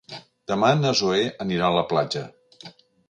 Demà na Zoè anirà a la platja.